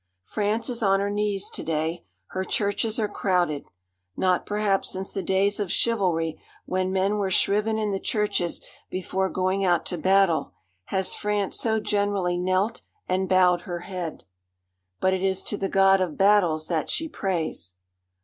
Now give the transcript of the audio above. France is on her knees to day. Her churches are crowded. Not perhaps since the days of chivalry, when men were shriven in the churches before going out to battle, has France so generally knelt and bowed her head but it is to the God of Battles that she prays.